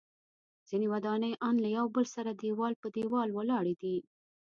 ځینې ودانۍ ان له یو بل سره دیوال په دیوال ولاړې دي.